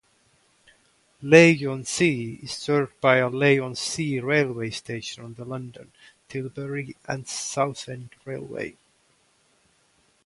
Leigh-on-Sea is served by Leigh-on-Sea railway station on the London, Tilbury and Southend Railway.